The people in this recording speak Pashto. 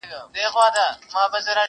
o د نارينه خبره يوه وي٫